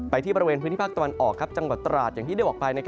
ที่บริเวณพื้นที่ภาคตะวันออกจังหวัดตราดอย่างที่ได้บอกไป